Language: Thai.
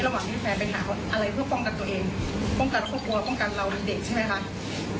ระหว่างที่แฟนไปหาอะไรเพื่อป้องกันตัวเองป้องกันครอบครัวป้องกันเราเด็กใช่ไหมคะ